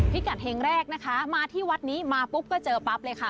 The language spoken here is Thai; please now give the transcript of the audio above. พิกัดเฮงแรกนะคะมาที่วัดนี้มาปุ๊บก็เจอปั๊บเลยค่ะ